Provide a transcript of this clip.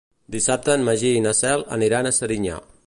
Dissabte en Magí i na Cel aniran a Serinyà.